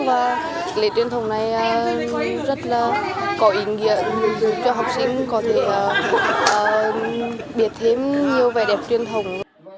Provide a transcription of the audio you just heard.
và lễ truyền thống này rất là có ý nghĩa giúp cho học sinh có thể biết thêm nhiều vẻ đẹp truyền thống